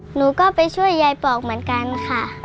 หนูก็ไปช่วยยายปอกเหมือนกันค่ะ